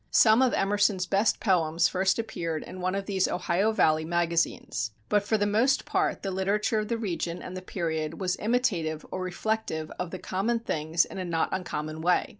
Some of Emerson's best poems first appeared in one of these Ohio Valley magazines. But for the most part the literature of the region and the period was imitative or reflective of the common things in a not uncommon way.